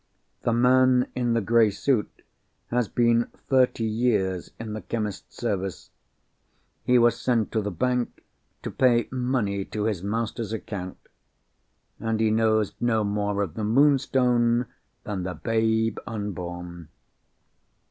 The man in the grey suit has been thirty years in the chemist's service. He was sent to the bank to pay money to his master's account—and he knows no more of the Moonstone than the babe unborn."